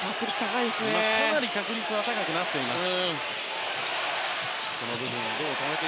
かなり確率が高くなっています。